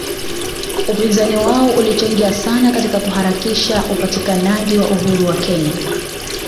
Upinzani wao ulichangia sana katika kuharakisha upatikanaji wa uhuru wa Kenya